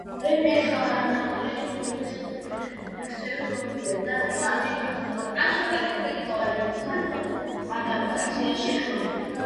რეფლექსები თანდაყოლილი ქცევის ფორმებია და ისინი ახალშობილს გარემოსთან ადაპტაციაში ეხმარებიან.